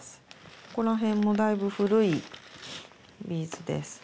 ここら辺もだいぶ古いビーズです。